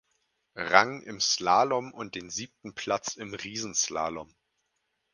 Rang im Slalom und den siebten Platz im Riesenslalom.